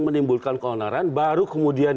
menimbulkan keonaran baru kemudian